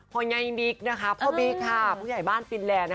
คุณยายบิ๊กนะคะพ่อบิ๊กค่ะผู้ใหญ่บ้านฟินแลนด์